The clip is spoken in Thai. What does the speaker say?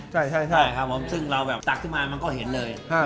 ใช่ครับผมซึ่งเราแบบตักขึ้นมามันก็เห็นเลย